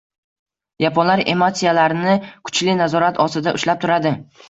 Yaponlar emotsiyalarini kuchli nazorat ostida ushlab turadi.